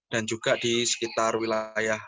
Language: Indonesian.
dan juga di sekitar wilayah